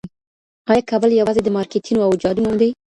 آیا کابل یوازې د مارکيټونو او جادو نوم دی؟